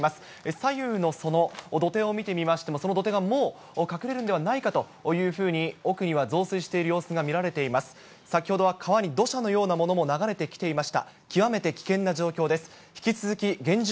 左右のその土手を見てみましても、その土手がもう隠れるんではないかというふうに、奥には増水している様子が見られています。